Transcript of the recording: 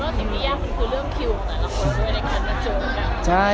ในเมื่อว่าสิ่งที่ยากคือเรื่องคิวแต่ละคนด้วยนะครับ